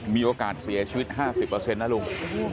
มีโอกาสเสียชีวิต๕๐เปอร์เซ็นต์นะลุง